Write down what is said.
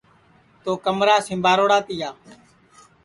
تو کمرا سجاوڑا تیا